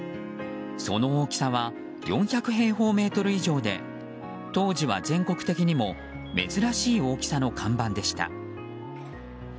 その大きさは４００平方メートル以上で当時は全国的にも珍しい大きさの看板でした。